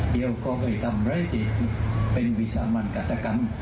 เดี๋ยวก็ไปทำอะไรผิดเป็นวิสามันกัตกรรม